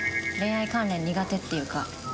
恋愛関連苦手っていうか。